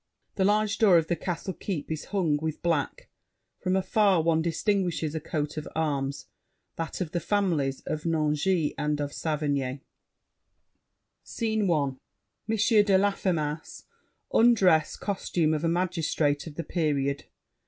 The large door of the castle keep is hung with black: from afar one distinguishes a coat of arms—that of the families of Nangis and of Saverny SCENE I M. DE LAFFEMAS, undress costume of a magistrate of the period.